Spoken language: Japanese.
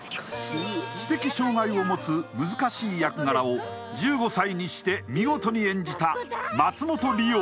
知的障害を持つ難しい役柄を１５歳にして見事に演じた松本莉緒